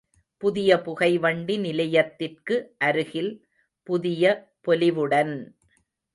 புதிய புகைவண்டி நிலையத்திற்கு அருகில் புதிய பொலிவுடன்!